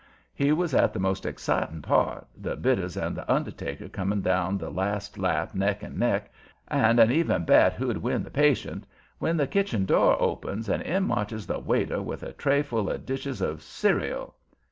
He was at the most exciting part, the bitters and the undertaker coming down the last lap neck and neck, and an even bet who'd win the patient, when the kitchen door opens and in marches the waiter with the tray full of dishes of "cereal."